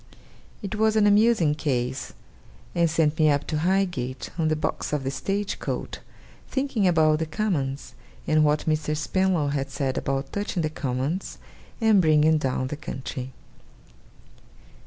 It was an amusing case; and sent me up to Highgate, on the box of the stage coach, thinking about the Commons, and what Mr. Spenlow had said about touching the Commons and bringing down the country.